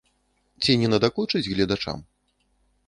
Ці не надакучыць гледачам?